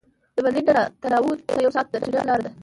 د برلین نه راتناو ته یو ساعت د ټرېن لاره ده